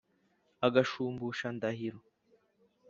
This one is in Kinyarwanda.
agushumbusha ndahiro,